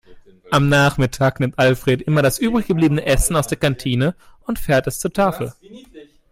Am Nachmittag nimmt Alfred immer das übrig gebliebene Essen aus der Kantine und fährt es zur Tafel.